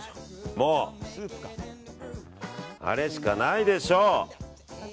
もう、あれしかないでしょう。